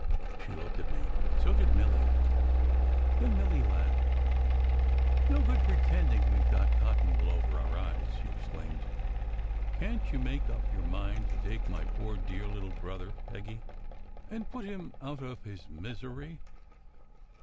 She looked at me. So did Milly. Then Milly laughed. "No good pretending we ve got cotton wool over our eyes," she exclaimed. "Can t you make up your mind to take my poor, dear little brother, Peggy, and put him out of his misery?"